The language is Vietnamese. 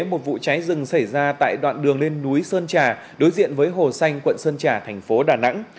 một vụ cháy rừng xảy ra tại đoạn đường lên núi sơn trà đối diện với hồ xanh quận sơn trà thành phố đà nẵng